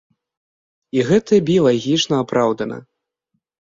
І гэта біялагічна апраўдана.